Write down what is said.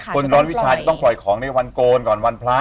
คนร้อนวิชาจะต้องปล่อยของในวันโกนก่อนวันพระ